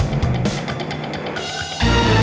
lo sudah bisa berhenti